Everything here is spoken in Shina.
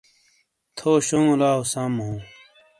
تھو شونگو لاؤسم ہوں ۔